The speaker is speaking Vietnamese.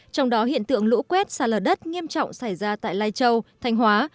trong đó hiện tượng lũ quét xa lở đất nghiêm trọng xảy ra tại lai châu thanh hóa